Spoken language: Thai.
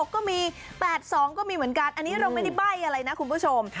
ก็มี๘๒ก็มีเหมือนกันอันนี้เราไม่ได้ใบ้อะไรนะคุณผู้ชม